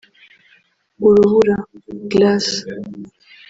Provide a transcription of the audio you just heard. urubura (glace)